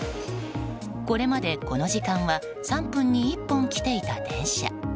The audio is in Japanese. これまでこの時間は３分に１本来ていた電車。